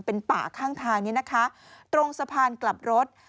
เป็นป่าข้างทางนี้นะคะตรงสะพานกลับรถ